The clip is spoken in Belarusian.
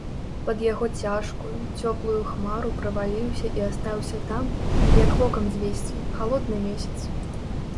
Пад яго цяжкую, цёплую хмару праваліўся і астаўся там, як вокам звесці, халодны месяц.